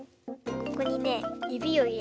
ここにねゆびをいれます。